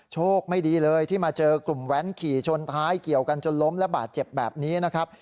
โชคไม่ดีเลยที่มาเจอกลุ่มแว้นขี่ชนท้ายเกี่ยวกันจนล้มและบาดเจ็บแบบนี้นะครับ